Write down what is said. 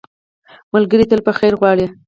ملګری تل په خیر غواړي